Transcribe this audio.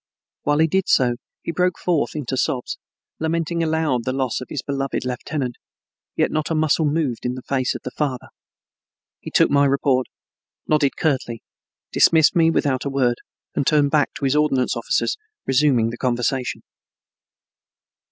While he did so he broke forth into sobs, lamenting aloud the loss of his beloved lieutenant, yet not a muscle moved in the face of the father. He took my report, nodded curtly, dismissed me without a word, and turned back to his ordnance officers, resuming the conversation.